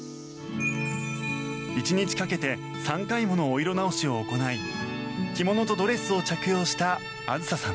１日かけて３回ものお色直しを行い着物とドレスを着用したあずささん。